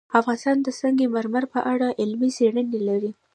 افغانستان د سنگ مرمر په اړه علمي څېړنې لري.